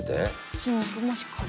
筋肉もしっかり。